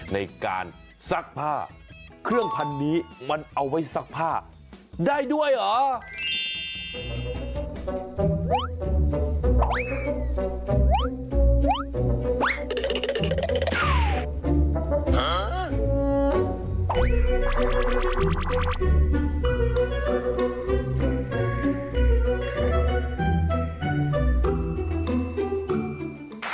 ซักผ้าเครื่องพันธุ์นี้มันเอาไว้ซักผ้าได้ด้วยเหรอ